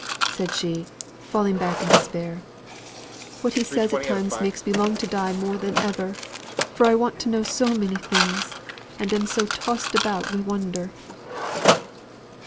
said she, falling back in despair, "what he says at times makes me long to die more than ever, for I want to know so many things, and am so tossed about wi' wonder."